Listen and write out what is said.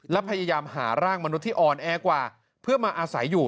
และพยายามหาร่างมนุษย์ที่อ่อนแอกว่าเพื่อมาอาศัยอยู่